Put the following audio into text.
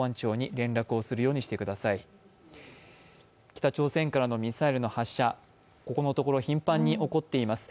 北朝鮮からのミサイルの発射、ここのところ頻繁に起こっています。